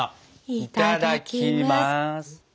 いただきます。